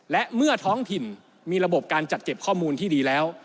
และเมื่อท้องถิ่นมีระบบการจัดเก็บข้อมูลที่ดีแล้ว